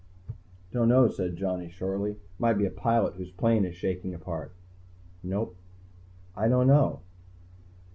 "Don't know," said Johnny shortly. "Might be a pilot whose plane is shaking apart." "No." "I don't know."